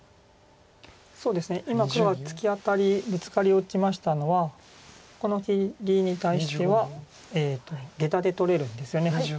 そうですね今黒がツキアタリブツカリを打ちましたのはこの切りに対してはゲタで取れるんですよね。